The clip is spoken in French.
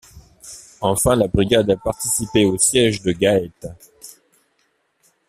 Enfin, la brigade a participé au siège de Gaète.